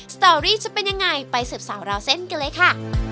สตอรี่จะเป็นยังไงไปสืบสาวราวเส้นกันเลยค่ะ